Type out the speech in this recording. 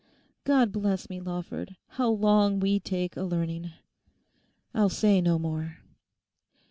God bless me, Lawford, how long we take a learning. I'll say no more.